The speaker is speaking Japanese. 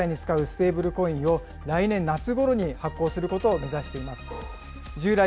新会社は主に企業間の決済に使うステーブルコインを来年夏ごろに発行することを目指しています。